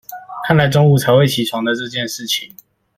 看來中午才會起床的這件事情